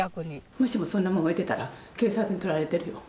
もしもそんなものを置いてたら、警察に取られてるよ。